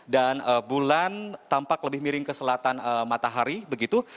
dan bulan tampak lebih miring ke selatan matahari begitu